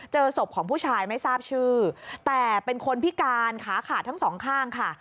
เจอศพของผู้ชายไม่ทราบชื่อแต่เป็นคนพิการขาขาดทั้งสองข้างค่ะ